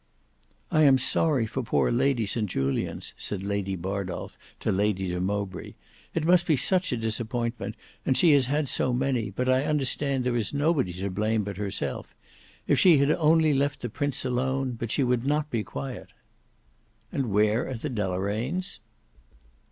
"I am sorry for poor Lady St Julians," said Lady Bardolf to Lady de Mowbray. "It must be such a disappointment, and she has had so many; but I understand there is nobody to blame but herself. If she had only left the Prince alone, but she would not be quiet!" "And where are the Deloraines?"